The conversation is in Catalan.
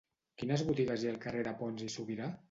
Quines botigues hi ha al carrer de Pons i Subirà?